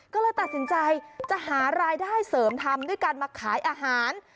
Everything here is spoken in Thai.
ก็เลยตัดสินใจจะหารายได้เสริมทำด้วยการมาขายอาหาร